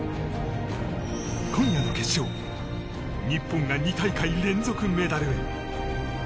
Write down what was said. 今夜の決勝、日本が２大会連続メダルへ。